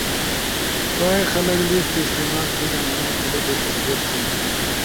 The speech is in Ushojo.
کوئے خلگ لس تی استعمال تھینا آنا کلپے تصدیق تھینا